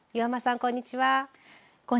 こんにちは。